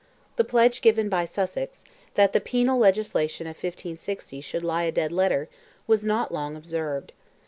The pledge given by Sussex, that the penal legislation of 1560 should lie a dead letter, was not long observed.